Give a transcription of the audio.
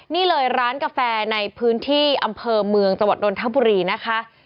นี่เลยร้านกาแฟในพื้นที่อำเภอเมืองจังหวัดนทบุรีนะคะ